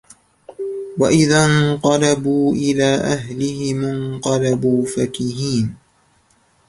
وَإِذَا انْقَلَبُوا إِلَى أَهْلِهِمُ انْقَلَبُوا فَكِهِينَ